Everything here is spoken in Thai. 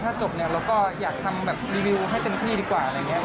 ถ้าจบเนี่ยเราก็อยากทำแบบรีวิวให้เต็มที่ดีกว่าอะไรอย่างนี้